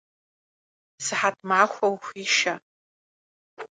Sıhet maxue vuxuişşe!